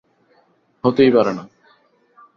হতেই পারে না।